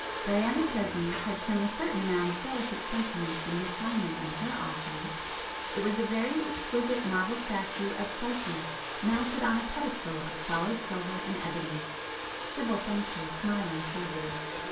Diana Chesney had shown a certain amount of delicate sentiment and refinement in her offering,—it was a very exquisite marble statue of Psyche, mounted on a pedestal of solid silver and ebony. Sibyl thanked her, smiling coldly.